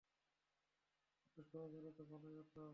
এতো সহজ হলে তো ভালোই হতো।